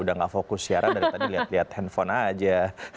udah gak fokus siaran dari tadi lihat lihat handphone aja